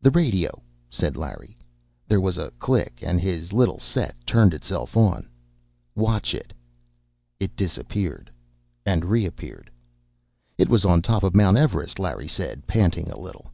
"The radio," said Larry. There was a click and his little set turned itself on. "Watch it." It disappeared and reappeared. "It was on top of Mount Everest," Larry said, panting a little.